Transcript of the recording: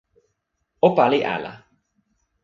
o pali ala!